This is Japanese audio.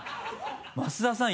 増田さん